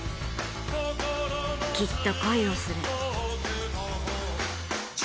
きっと恋をする。